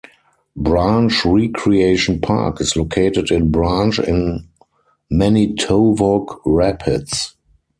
Branch Recreation Park is located in Branch in Manitowoc Rapids.